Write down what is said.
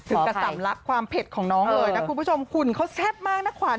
ถึงกระตำรักความเผ็ดของน้องหน่อยนะคุณผู้ชมขุ่นเขาแซบมากนะขวัญ